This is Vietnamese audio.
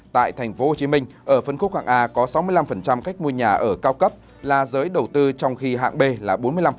tại tp hcm ở phân khúc hạng a có sáu mươi năm khách mua nhà ở cao cấp là giới đầu tư trong khi hạng b là bốn mươi năm